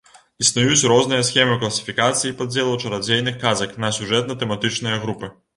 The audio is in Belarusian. Існуюць розныя схемы класіфікацыі і падзелу чарадзейных казак на сюжэтна-тэматычныя групы.